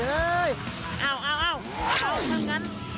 เอาเอาซะนั้น